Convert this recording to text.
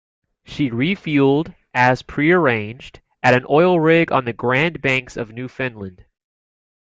She refueled, as prearranged, at an oil rig on the Grand Banks of Newfoundland.